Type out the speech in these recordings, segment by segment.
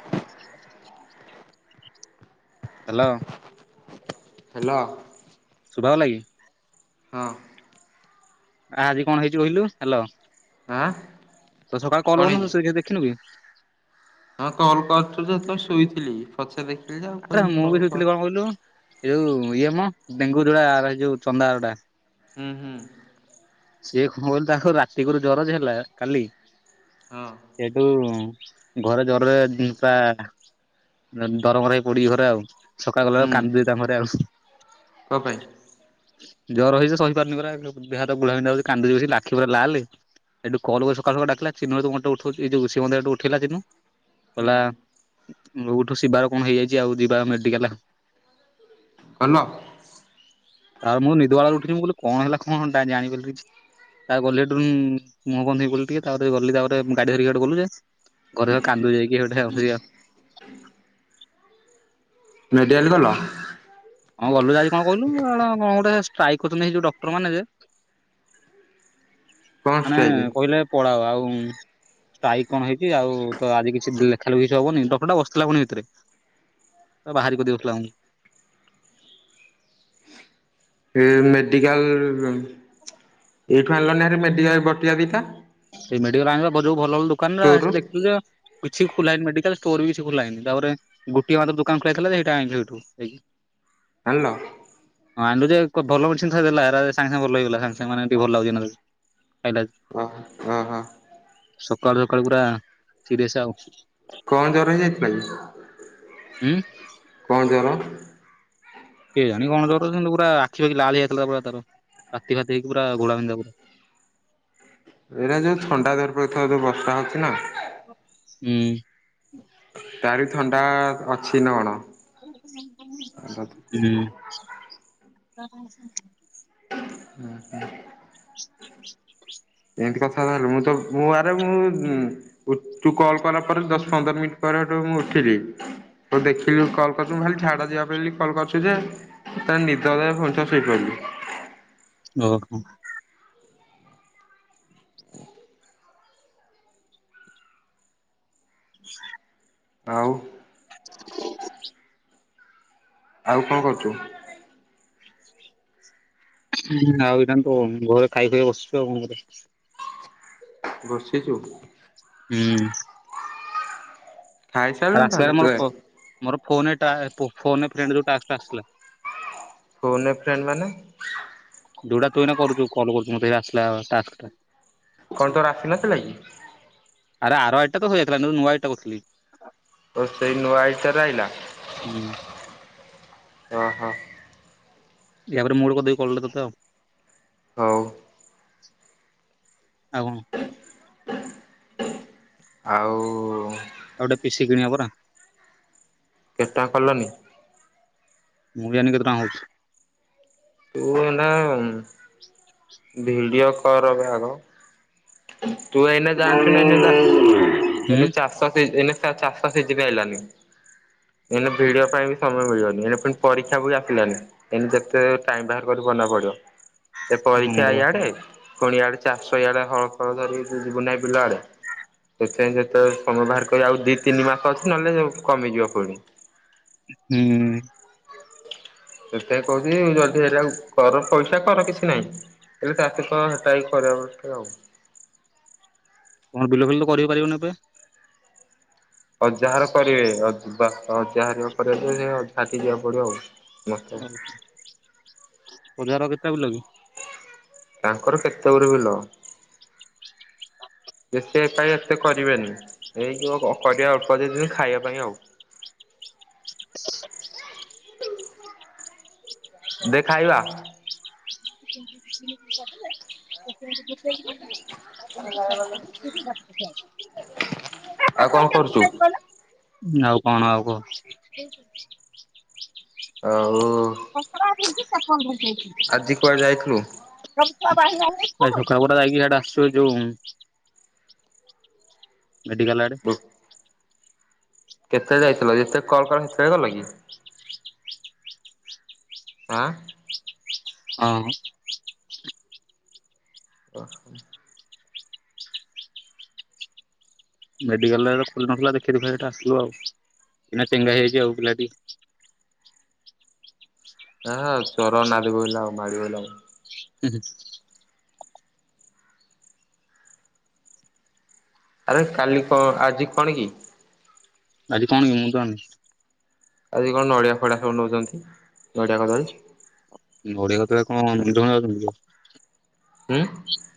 [inaudible] Hello. Hello. ଶୁଭା ଗଲା କି? ହଁ। ଆ ଆଜି କଣ ହେଇଛି କହିଲୁ? ହ୍ୟାଲୋ। ଆଁ। ତ ସକାଳେ କଣ କଲ୍ ହେଇଛି? [unintelligible] ଦେଖିନୁ କି? ହଁ କଲ୍ କରଛୁ ଯେତେବେଳେ ଶୋଇଥିଲି ପଛେ ଦେଖିଲି ଯେ ଆଉ ଆରେ କହିଲି ମୁଁ କଲ କର। [unintelligible] ଏ ଯୋଉ ଇଏ ମ ଡେଙ୍ଗୁ ଯୋଉଡା ଆ ଯୋଉ ଚନ୍ଦାର ଟା। ହୁଁ ହୁଁ। ସିଏ କଣ କହିଲ ତାକୁ ରାତିରୁ ଜର ହେଲା କାଲି। ହଁ। ସେଇଠୁ ଘରେ ଜରରେ ପୁରା ଦରମରା ହେଇ ପଡିଛି ଘରେ ଆଉ ସକାଳ କଲାବେଳକୁ ହୁଁ କାନ୍ଦୁଛି ତାଙ୍କ ଘରେ ଆଉ। କଣ ପାଇଁ ଜର ହେଇଛି ସହିପାରୁନି ପୁରା ଦେହହାତ ଗୁଲା ବିନ୍ଧା ହେଉଛି କାନ୍ଦୁଛି ଲାଖି ପୁରା ଲାଲ। ଏଠୁ କଲ୍ କରି ସକାଳୁ ସକାଳୁ ଡାକିଲା [unintelligible] ହୁଁ କଲା ଉଠୁ ଶିବାର କଣ ହେଇଯାଇଛି ଆଉ ଯିବା ମେଡିକାଲ। କ [unintelligible] ଆଉ ମୁଁ ନିଦବାଉଳି ର ଉଠଛିି ମୁଁ କହିଲି କଣ ହେଲା କଣ ଟା ଜାଣିପାରିଲି କିଛି। ତା ଗଲି ମୁହଁ ଫୁହ ଧୋଇ ହେଇଗଲି ଟିକେ ତାପରେ ଗଲି ତାପରେ ଗାଡି ଧରିକି ଗଡେ ଗଲୁ ଯେ। ଘରେ କାନ୍ଦୁଛି ଯାଇକି ସେପଟେ ଆଉଛି ଆଉ। ମେଡ଼ିକାଲ ଗଲ? କଁ ଗଲୁ ଆଜି କଣ କହିଲୁ କଣ ଗୋଟେ ଷ୍ଟ୍ରାଇକ କରିଛନ୍ତି ଯୋଉ ଡକ୍ଟର ମାନେ ଯେ ହ [unintelligible] ମାନେ କହିଲେ ପଳାଅ ଆଉ ଆଇ କଣ ହେଇଛି ଆଉ ତ ଆଜି କିଛି ଲେଖା ଲେଖି ହବନି ଡକ୍ଟରଟା ବସିିଥିଲା ପୁଣି ଭିତରେ। ବାହାରି କରିଦଉଥିଲା ଉଁ। ଏ ମେଡିକାଲ୍, ଏଇଠୁ ଆଣିଲଣିରେ ମେଡିକାଲ ବଟିକା ଦିଟା। ସେଇ ମେଡିକାଲରୁ ଆଣିବ ଯଉ ଭଲ ଭଲ ଦୋକାନ ନା ଷ୍ଟୋରରୁ ସେ ଦେଖିବ। କିଛି ଖୋଲା ହେଇନି ମେଡିକାଲ ଷ୍ଟୋର ବି କିଛି ଖୋଲା ହେଇନି, ତାପରେ ଗୋଟିଏ ମାତ୍ର ଦୋକାନ ଖୋଲା ହେଇଥିଲା ସେଇଟା ଆଣିଲି ସେଇଠୁ। ଆଣିଲ? ହଁ ଆଣିଲୁ ଯେ ଭଲ ମେଡିସିନ୍ ଦେଲା ସାଙ୍ଗ ସାଙ୍ଗେ ଭଲ ହେଇଗଲା ସାଙ୍ଗ ସାଙ୍ଗ ମାନେ ଟିକେ ଭଲ ଲାଗୁଚି। କଇଲେ [unintelligible] ଓହୋ ହଁ ହଁ। ସକାଳୁ ସକାଳୁ ପୁରା ସିରିଅସ୍ ଆଉ। କଣ ଜର ହେଇ ଯାଇଥିଲା କି? ହୁଁ କଣ ଜର? କେଜାଣି କଣ ଜର ସେନ୍ତି ପୁରା ଆଖି ପାଖି ଲାଲ୍ ହେଇଥିଲା ପୁରା ତାର ବାନ୍ତି ଫାତି ହେଇକି ପୁରା ଘୋଳା ବିନ୍ଧା ଏଇଟା ଯୋଉ ଥଣ୍ଡା ଧରି ପକେଇଥିବ ଯୋଉ ବର୍ଷା ହଉଛି ନା। ହୁଁ। ତାରି ଥଣ୍ଡା ଅଛି ନା କଣ। ହୁଁ। ଓହୋ [unintelligible] [unintelligible] ଏମିତି କଥାବାର୍ତ୍ତା ହେଲେ ମୁଁ ତ ମୁଁ ଆରେ ମୁଁ ତୁ କଲ୍ କଲା ପରେ ଦଶ ପନ୍ଦର ମିନିଟ୍ ପରେ ସେଠୁ ମୁଁ ଉଠିଲି। ତୁ ଦେଖିଲୁ କଲ୍ କରୁଥିଲୁ ବୋଲି ଝାଡ଼ା ଯିବା ପାଇଁ କଲ୍ କରୁଥିଲି ଯେ ତା ନିଦ ଲାଗିଲା ଫୁଣି ଥରେ ଶୋଇପଡିଲି। ଓହୋ। ହ [inaudible] ଆଉ? [unintelligible] ଆଉ କଣ କରୁଛୁ? ହୁ ଆଉ ଏଇଟା ତ ଘରେ ଖାଇ ଖାଇ ବସିଛୁ ଆଉ କଣ କରିବା। ବସିଛୁ? ହୁଁ। ଆରେ ଖାଇସାରିଲୁଣି ଆସିଲା ତାହେଲେ ରେ ତୁ ମୋର ମୋର ଫୋନ ଫୋନ ଏ ଫ୍ରେଡ୍ ଯୋଉ ଟାକ୍ସ୍ ଆସିଲା। ଫୋନ୍ ଏ ଫ୍ରେଣ୍ଡ୍ ମାନେ? ଯୋଉଟା ତୁ ଏଇନା କରୁଛୁ କଲ୍ କରୁଛୁ ମତେ ଆସିଲା ଟାକ୍ସ୍ ଟା। କଣ ତୋର ଆସିନଥିଲା କି? ଆରେ ଆରୱଇଟା ତ ହେଇଯାଇଥିଲା ନୂଆ ଆଇଡିଟା କରୁଥିଲି। ତ ସେଇ ନୂଆ ଆଇଡ଼ିଟାରେ ଆଇଲା? ହୁଁ ହଁ, ହଁ। ୟାପରେ ମୁ ଗୋଟେ କରିଦେବି କଲ୍ ଟେ ତତେ ଆଉ। ହଉ। ଆଉ କଣ? ଆଉ ଆଉ ଗୋଟେ ପିସିି କିଣିବା ପରା। କେତ୍ ଟଙ୍କା କଲନି? ମୁଁ ବି ଜାଣିନି କେତ୍ ଟଙ୍କା ଆଉଛି। ତୁ ଏନା ଉଁ ଭିଡିଓ କର ଭାଗ। ତୁ ଏଇନା ଜାଣିଛୁ ନା ଏଇନା ଦା, ହୁଁ ଏଇନା ଚା। ସତେଜ୍ ଏଇନା [unintelligible] ଚାଷ ସିଜିନ୍ ଆଇଲାନି। ଏଇନା ଭିଡିଓ ପାଇଁ ବି ସମୟ ମିଳିବନି ଏଣେ ପୁଣି ପରୀକ୍ଷା ବି ଆସିଲାନି। ଏଇନେ ଯେତେ ଟାଇମ୍ ବାହାର କରିବ ଭଲ ପଢ଼ିବ। ହଁ ପରୀକ୍ଷା ପରା ଇଆଡ଼େ ପୁଣି ଆଡ଼େ ଚାଷ ଇଆଡ଼େ ହଳ ଫଳ ଧରିକି ତୁ ଯିବୁ ନାହିଁ ବିଲ ଆଡ଼େ। ସେଥିପାଇଁ ଯେତଳେ ସମୟ ବାହାର କରି ଆଉ ଦି ତିନି ମାସ ଅଛି ନହେଲେ କମିଯିବ ପୁଣି। ହୁଁ ସେଥିପାଇଁ କହୁଛି ଯଦି ହେରିକାକୁ କର ପଇସା କର କିଛି ନାହିଁ। ହେଲେ ତା ସହିତ ହେଟାବି ଖରାପଟେ ଆଉ। ତମର ବିଲ ଫିଲ ତ କରିପାରିବନି ଏବେ? ଅଜାହର କରିବେ, ଅଜ୍ ବା ଅଜାହାର କରିବ ଯେ, ସେଅ ଝାଟି ଯିବାକୁ ପଡିବ ଆଉ। ମତେ ହଉ, ଅଜାହର କେତେଟା ବିଲ କି? ତାଙ୍କର କେତେ ଗୁରେ ବିଲ। ଯେତେ ପାଇବେ ଏତେ କରିବାନି, ଏଇ ଯୋଉ ଅ, ଅ କରିବା ଅଳ୍ପ [unintelligible] ଖାଇବା ପାଇଁ ଆଉ। [unintelligible] ଦେ ଖାଇବା। [unintelligible] ଆଉ କଣ କରୁଛୁ? [unintelligible] [unintelligible] ଆଉ କଣ ଆଉ କହ? [inaudible] ଆଉ [unintelligible] [unintelligible] ଆଜି ଏ କୁଆଡେ ଯାଇଥିଲୁ? ଛକା ଗୋଟା ଯାଇକି ଇଆଡ଼େ ଆସିବ ଯୋଉଁ ମେଡ଼ିକାଲ ଆଡେ। କେତେଳେ ଯାଇଥିଲ ଯେତେ କଲ୍ କନି ସେତଳେ ଗଲ କି? ଆଁ? ହଁ ଓହୋ। ମେଡ଼ିକାଲରେ ଏରା ଖୋଲି ନଥିଲା ଦେଖେଇ ଦୁଖାକି ହେଟୁ ଆସିଲୁ ଆଉ, ଏନା ଚେଙ୍ଗା ହେଇଯାଇଛି ଆଉ ପିଲାଟି। ଅହଃ ଚରନାଦ ବୋଇଲା ଆଉ ମାଡ଼ି ବଇଲା ମ [unintelligible] ଆରେ କାଲି କଣ ଆଜି କଣ କି? ଆଜି କଣ କି ମୁଁ ତ ଆଣିନି। ଆଜି କଣ ନଡ଼ିଆ ଫଡିଆ ସବୁ ନଉଚନ୍ତି ନଡ଼ିଆ କଦଳୀ। ନଡ଼ିଆ କଦଳୀ କଣ ବନ୍ଧୁ ବାନ୍ଧବ ଯାଉଚନ୍ତି କି। ଉଁ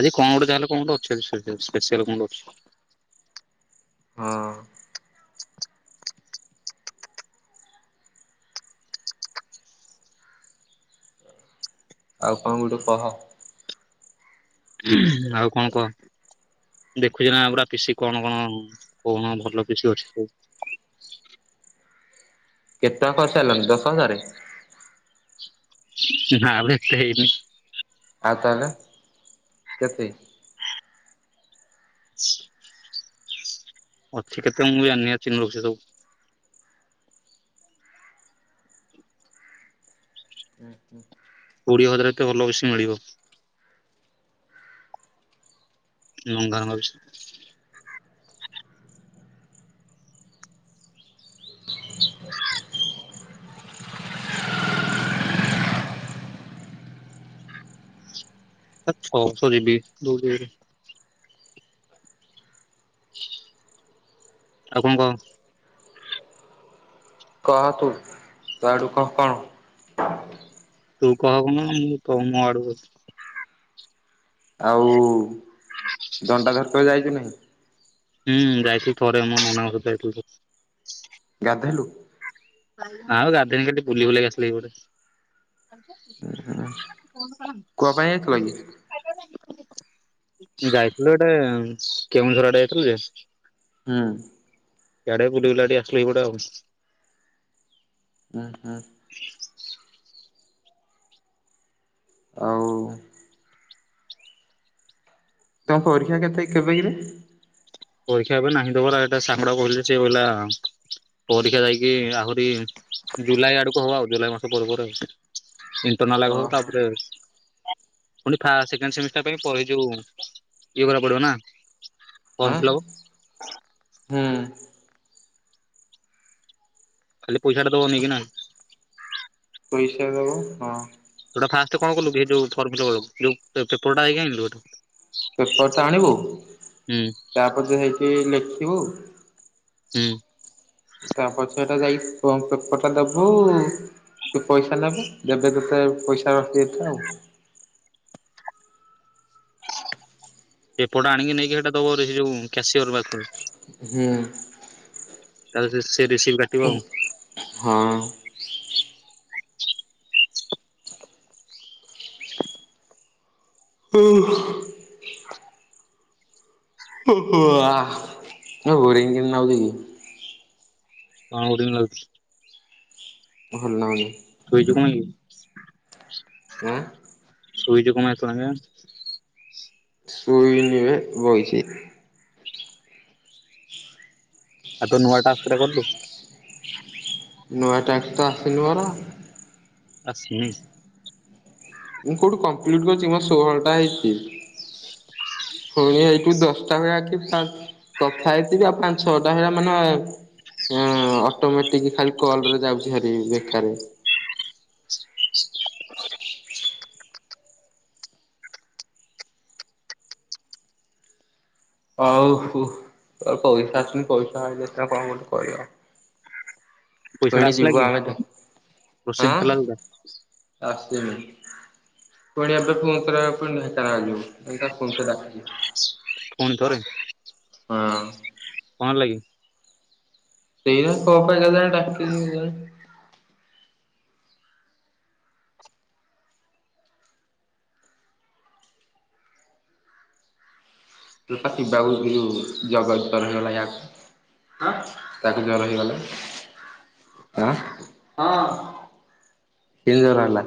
ଆଜି କଣ ଗୋଟେ ଯାହାହେଲେ କଣ ଗୋଟେ ଅଛି ଆଜି ପେସିଆଲ ପେସିଆଲ୍ କଣ ଗୋଟେ ଅଛି। ହଁ ଆଉ କଣ ଗୋଟେ କହ? ଆଉ କଣ କହ? ଦେଖୁଚୁ ନା ପୁରା ପିସି କଣ କଣ କଣ ଭଲ ପିସି ଅଛି ସବୁ। କେତେ ଟଙ୍କା କରି ସାଇଲଣି ଦଶ ହଜାରରେ। ନାଁ ବେ ଏତେ ହେଇନି। ଆଉ ତାହେଲେ କେତେ? ଆଚ୍ଛା ଅଛି କେତେ ମୁଁ ବି ଜାଣିନି ଏ ଚିନୁ ରଖୁଛି ସବୁ। ଉଁ ହୁଁ କୋଡ଼ିଏ ହଜାର ଏତେ ଭଲ ବେଶୀ ମିଳିବ। ନଘା ମାଉସୀ। ହ ଏତ୍ କ ସରି ବି ଦଉଚି ଏବେ। ଆଉ କଣ କହ? କହ ତୁ ତୋ ଆଡୁ କହ କଣ? ତୁ କହବୁ ନା ମୁଁ କହୁ ମୋ ଆଡୁକୁ। ଆଉ ଡଙ୍ଗା ଘାଟ ଯାଇଚୁ ନାହିଁ। ହୁଁ ଯାଇଥିଲି ଥରେ ମୋ ନନାଙ୍କ ସହିତ ଯାଇଥିଲି ଥରେ। ଗାଧେଇଲୁ ଆଉ ଗାଧେଇବି ଖାଲି ବୁଲିବୁଲା କି ଆସିଲି ଏଇ ପଟେ। କାନ୍ଦୁଚ କି [unintelligible] ଏ କହିଲି। ଯାଇଥିଲୁ ଗୋଟେ କେଉଁଝର ଆଡ଼େ ଯାଇଥିଲୁ ଯେ। ହୁଁ ଇଆଡ଼େ ବୁଲିବୁଲା ଦେଇ ଆସିଲୁ ଏଇ ପଟେ ଆଉ। ଓହୋ ଆଉ ତମ ପରୀକ୍ଷା କେତେ କେବେ କିରେ? ପରୀକ୍ଷା ଏବେ ନାହିଁ ଦେବାରେ ଏଇଟା ସାଙ୍ଗଟା ବୁଲୁଛି ବୁଲା। ପରୀକ୍ଷା ଯାଇକି ଆହୁରି ଜୁଲାଇ ଆଡ଼କୁ ହବ ଆଉ। ଜୁଲାଇ ମାସ ପରେ ପରେ--ଉଁ ତୋର ନାଲ ହଉ ଓହୋ ତାପରେ ପୁଣି ଫାଷ୍ଟ ସେକେଣ୍ଡ ସେମିଷ୍ଟାର ପାଇଁ ପରୀ ଏ ଯୋଉ ଇଏ କରିବାକୁ ପଡ଼ିବ ନାଁ। ଫର୍ମ ଆଁ ଫିଲଅପ୍ ହୁଁ ଖାଲି ପଇସାଟା ଦବ ନେଇକିନା। ପଇସା ଦବ ହଁ। ଯୋଉଟା ଫାଷ୍ଟ କଣ କଲୁ କି ଯୋଉ ଫର୍ମ ଫିଲଅପ ବେଳକୁ ଯୋଉ ପେପରଟା ଯାଇକି ଆଣିଲୁ ଏଠୁ। ପେପରଟା ଆଣିବୁ। ହୁଁ ତାପରେ ଯା ହେଇକି ଲେଖିବୁ। ହୁଁ ତା ପଛଟା ଯାଇ ଫର୍ମ ପେପରଟା ଦବୁ। ତୁ ପଇସା ନେବେ ଦେବେ ତୋତେ ପଇସା ରସିଦ ଟା ଆଉ। ଏପଟ ଆଣିକି ନେଇକି ହେଟା ଦବ ରେ ସେ ଯୋଉ କ୍ୟାସିଅର ପାଖୁକୁ। ହୁଁ। ତାଲେ ସେ ସେ ରିସିଭ କା ହଁ। ହୁଁ। [unintelligible] ବୋରିଂ କେମିତି ନାଗୁଛି କି? ହଁ ରିଙ୍ଗ ଲାଗୁଚି। ଭଲ ନାଗୁନି। ଶୋଇଚୁ କଣ ପାଇଁ କି? ଆଁ ଶୋଇଚୁ କଣ ପାଇଁ ଏତେବେଳ ଆଁକେ? ଶୋଇବିନି ବେ ବଇଚି। ଆଉ ତୋ ନୂଆ ଟାସ୍କ ରା କଲୁ? ନୂଆ ଟାକ୍ସ ତ ଆସିନି ମୋର। ଆସିନି? ମୁଁ କୋଉଠୁ କମ୍ପ୍ଲିଟ କରିଛି ମୋର ଷୋହଳଟା ହେଇଛି। ପୁଣି ଏଇଠୁ ଦଶଟା [unintelligible] କଥା ହେଇଥିବି ଆଉ ପାଞ୍ଚ ଛଅଟା ହେଆ ମାନେ ହଁ ଅଟୋମେଟିକ୍ ଖାଲି କଲରେ ଯାଉଛିହାରି ବେକାର୍ ରେ। [unintelligible] ଆଉ ପଇସା ଆସୁନି ପଇସା ଆଇଲେ ସିନା କଣ ଗୋଟେ କରିବ। ପଇସା ଟା ପୁଣି ଆସିଲା ଯିବୁ କି ଆମେ ତ ପ୍ରୋସେସିଂ ଥିଲା ଆଁ ଯୋଉଟା ଆସିନି ପୁଣି ଏବେ ପୁଣି ଥରେ ପୁଣି ଢେଙ୍କାନାଳ ଯିବୁ ମୁଁ ତାକୁ ଫୋନ୍ କରି ଡାକିବି। ପୁଣି ଥରେ। ହଁ। କଣ ଲାଗି? ସେଇବା କଣ ପାଇଁ କେଜାଣି [unintelligible] କେଆଣି? ତୁ ପା ଶିବାକୁ ସେ ଯୋଉ ଜଗର ଜର ହେଇଗଲା ୟାକୁ ତାକୁ ଜର ହେଇଗଲା ଆଁ କି ଜର ହେଲା?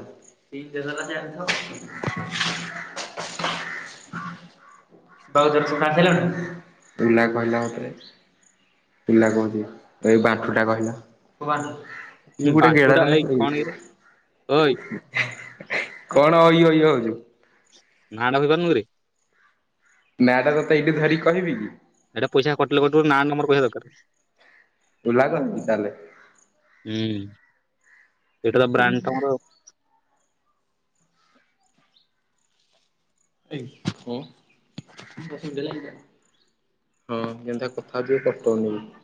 ଏଇନା କହିଲ ଆଉଥରେ? କୋଉ ବାଣ୍ଟୁ ଟା ଏଇ କଣ କିରେ ବାଣ୍ଠୁ? ଓଇ କଣ ଇୟୋ ଇୟୋ ହଉଛୁ। ନାଁ ଟା ଧରି ପାରୁନୁଁ କିରେ? ନାଁ ଟା ତତେ ଏଇଠି ଧରି କହିବି କି? ଏଇଟା ପଇସା କଟିଲେ କଟିବ [unintelligible] ପଇସା ଦରକାରେ। ହେଲା କେମିତି ତାହେଲେ? ହୁଁ ଏଇଟା ତ ବ୍ରାଣ୍ଡ ତମର। [unintelligible] ହଁ [unintelligible]